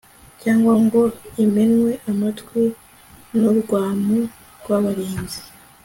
cyangwa ngo imenwe amatwi n'urwamu rw'abarinzi